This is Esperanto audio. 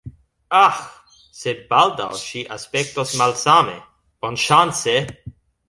Aĥ, sed baldaŭ ŝi aspektos malsame, bonŝance!